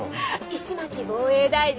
「石巻防衛大臣の」。